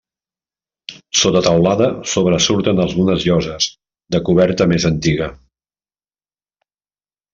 Sota teulada sobresurten algunes lloses de coberta més antiga.